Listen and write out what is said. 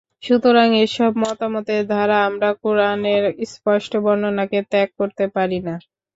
সুতরাং এসব মতামতের দ্বারা আমরা কুরআনের স্পষ্ট বর্ণনাকে ত্যাগ করতে পারি না।